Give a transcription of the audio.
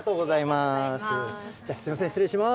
すみません、失礼します。